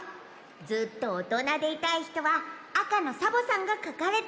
ずっとおとなでいたいひとはあかのサボさんがかかれているほうを。